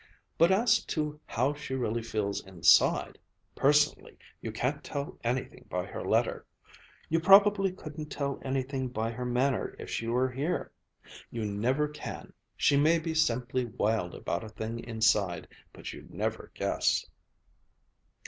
But as to how she really feels inside, personally, you can't tell anything by her letter! You probably couldn't tell anything by her manner if she were here. You never can. She may be simply wild about a thing inside, but you'd never guess."